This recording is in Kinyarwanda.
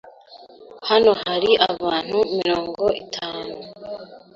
Hano hari abantu mirongo itanu.